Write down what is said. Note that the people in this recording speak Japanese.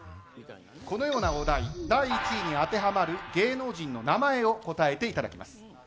このような第１位に当てはまる芸能人の名前を答えていただきます。